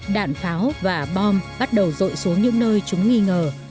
đạn pháo và bom bắt đầu rội xuống những nơi chúng nghi ngờ